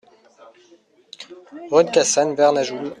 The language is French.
Rue de Cassagne, Vernajoul